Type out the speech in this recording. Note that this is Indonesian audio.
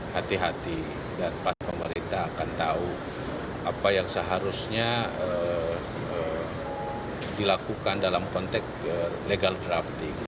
hati hati dan pas pemerintah akan tahu apa yang seharusnya dilakukan dalam konteks legal drafting